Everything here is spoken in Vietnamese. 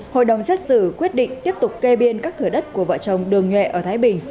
hội đồng xét xử quyết định tiếp tục kê biên các thửa đất của vợ chồng đường nhuệ ở thái bình